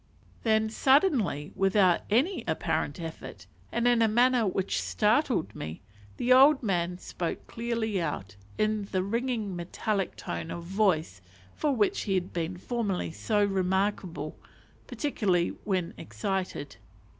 Then suddenly, without any apparent effort, and in a manner which startled me, the old man spoke clearly out, in the ringing metallic tone of voice for which he had been formerly so remarkable, particularly when excited.